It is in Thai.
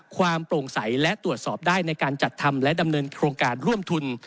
โปร่งใสและตรวจสอบได้ในการจัดทำและดำเนินโครงการร่วมทุน